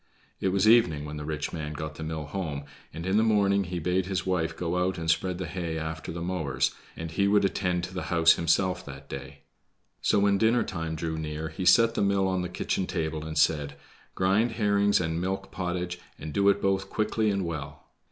It was evening when the rich man got the mill home, and in the morning he bade his wife go out and spread the hay after the mowers, and he would attend to the house himself that day. So when dinner time drew near he set the mill on the kitchen table and said: "Grind herrings and milk pottage, and do it both quickly and well."